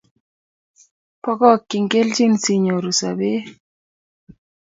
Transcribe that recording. Bagochi kelchin sinyoru sobet